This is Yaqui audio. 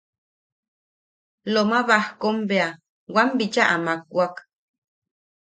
Loma Bajkom bea wam bicha amakwak;.